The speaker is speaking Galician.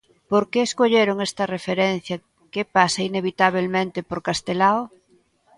Por que escolleron esta referencia, que pasa inevitabelmente por Castelao?